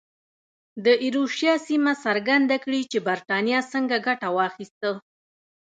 د ایروشیا سیمه څرګنده کړي چې برېټانیا څنګه ګټه واخیسته.